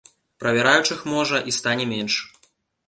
Правяраючых, можа, і стане менш.